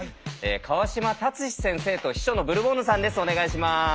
川島達史先生と秘書のブルボンヌさんです。